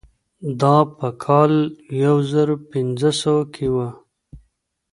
دا په کال یو زر پنځه سوه کې وه.